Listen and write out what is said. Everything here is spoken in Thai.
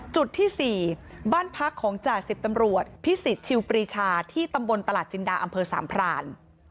จุดที่๔บ้านพักของจ่าสิบตำรวจพิสิทธิชิวปรีชาที่ตำบลตลาดจินดาอำเภอสามพราน